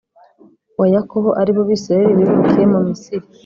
wa Yakobo ari bo Bisirayeli wimukiye mu Misiri